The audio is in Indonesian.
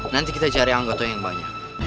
nanti kita cari anggota yang banyak